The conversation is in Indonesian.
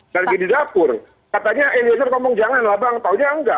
dan di dapur katanya eliezer ngomong jangan lah bang taunya nggak